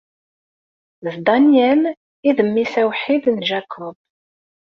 D Daniel i d mmi-s awḥid n Jacob.